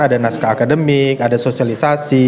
ada naskah akademik ada sosialisasi